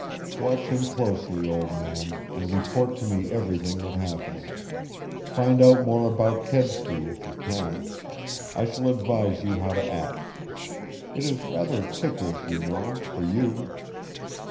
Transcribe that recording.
"Watch him closely, old man, and report to me everything that happens. Find out more about Kedsty, if you can. I shall advise you how to act. It is rather ticklish, you know for you!